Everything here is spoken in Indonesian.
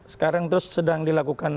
sekarang terus sedang dilakukan